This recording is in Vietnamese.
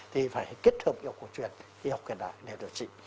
thì phải kết hợp y học cổ truyền y học hiện đại để điều trị